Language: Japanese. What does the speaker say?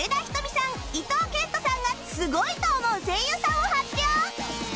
伊東健人さんがすごいと思う声優さんを発表！